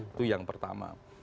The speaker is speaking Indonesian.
itu yang pertama